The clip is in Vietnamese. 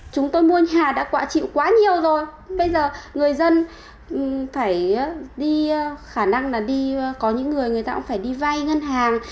chúng tôi mua nhà đã quạ chịu quá nhiều rồi bây giờ người dân phải đi khả năng là đi có những người người ta cũng phải đi vay ngân hàng